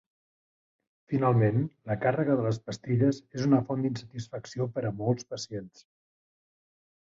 Finalment, la càrrega de les pastilles és una font d'insatisfacció per molts pacients.